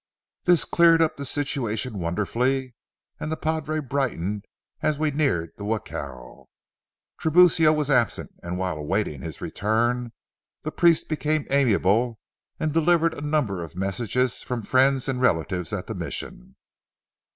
This cleared up the situation wonderfully, and the padre brightened as we neared the jacal. Tiburcio was absent, and while awaiting his return, the priest became amiable and delivered a number of messages from friends and relatives at the Mission.